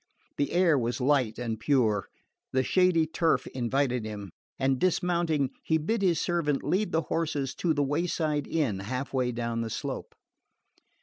The air was light and pure, the shady turf invited him, and dismounting he bid his servant lead the horses to the wayside inn half way down the slope.